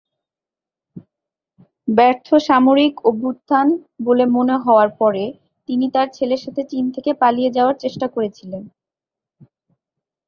ব্যর্থ সামরিক অভ্যুত্থান বলে মনে হওয়ার পরে তিনি তার ছেলের সাথে চীন থেকে পালিয়ে যাওয়ার চেষ্টা করছিলেন।